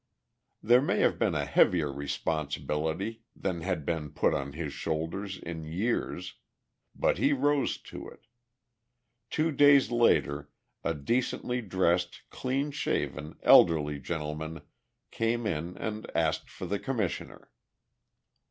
That may have been a heavier responsibility than had been put on his shoulders in years. But he rose to it. Two days later a decently dressed, clean shaven, elderly gentleman came in and asked for the Commissioner.